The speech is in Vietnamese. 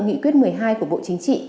nghị quyết một mươi hai của bộ chính trị